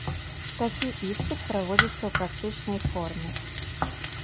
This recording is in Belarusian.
Такі іспыт праводзіцца ў практычнай форме.